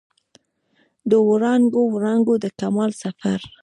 د وړانګو، وړانګو د کمال سفر